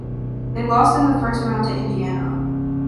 They lost in the first round to Indiana.